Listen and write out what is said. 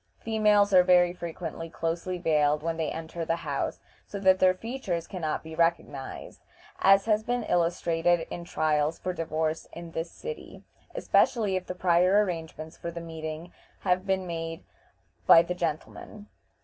Females are very frequently closely veiled when they enter the house, so that their features can not be recognized, as has been illustrated in trials for divorce in this city, especially if the prior arrangements for the meeting have been made by the gentlemen.